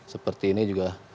seperti ini juga